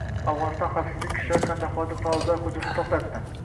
Afg‘oniston xavfsizlik kuchlari Qandahorda toliblar hujumini to‘xtatdi